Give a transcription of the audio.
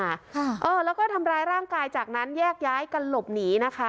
ค่ะเออแล้วก็ทำร้ายร่างกายจากนั้นแยกย้ายกันหลบหนีนะคะ